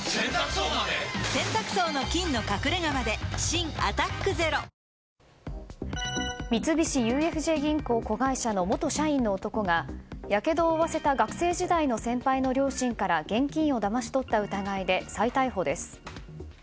新「アタックＺＥＲＯ」三菱ＵＦＪ銀行子会社の元社員の男がやけどを負わせた学生時代の先輩の両親から現金をだまし取った疑いで再逮捕です。